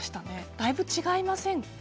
だいぶ違いませんか？